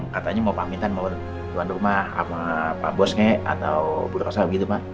katanya mau pamitan mau keluar rumah sama pak bosnge atau bu rokosa begitu pak